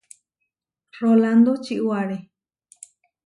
Rolándo čiʼwáre.